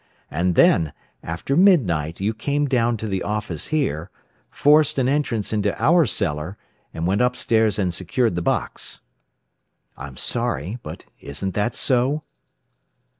And then, after midnight you came down to the office here, forced an entrance into our cellar, and went up stairs and secured the box. "I'm sorry but isn't that so?"